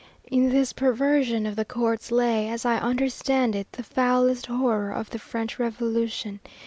In this perversion of the courts lay, as I understand it, the foulest horror of the French Revolution.